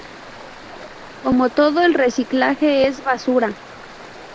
Como todo el reciclaje, es basura".